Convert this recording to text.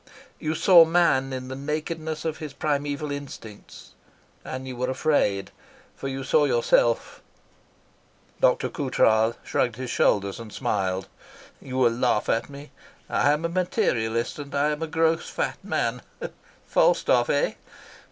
You saw man in the nakedness of his primeval instincts, and you were afraid, for you saw yourself." Dr. Coutras shrugged his shoulders and smiled. "You will laugh at me. I am a materialist, and I am a gross, fat man Falstaff, eh?